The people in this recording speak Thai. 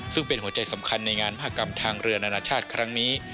ซึ่งเป็นหัวใจสำคัญในงานมหากรรมทางเรือนานาชาติครั้งนี้